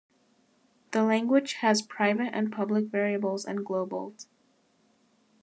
The language has private and public variables and globals.